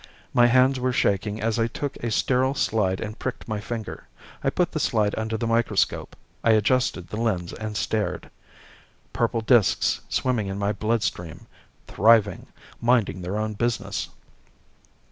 My hands were shaking as I took a sterile slide and pricked my finger. I put the slide under the microscope. I adjusted the lens and stared. Purple discs, swimming in my bloodstream. Thriving. Minding their own business.